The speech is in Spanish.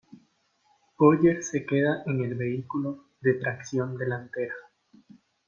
Boyer se queda en el vehículo, de tracción delantera.